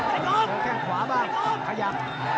โดนแข้งขวาบ้านขยับ